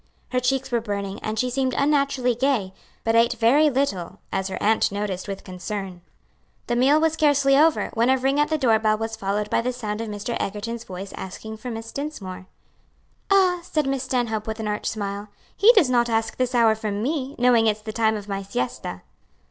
Her cheeks were burning, and she seemed unnaturally gay, but ate very little as her aunt noticed with concern. The meal was scarcely over, when a ring at the door bell was followed by the sound of Mr. Egerton's voice asking for Miss Dinsmore. "Ah!" said Miss Stanhope with an arch smile, "he does not ask this hour for me; knowing it's the time of my siesta."